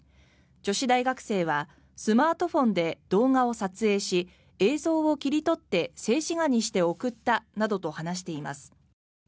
女子大学生はスマートフォンで動画を撮影し映像を切り取って静止画にして送ったなどと話しています。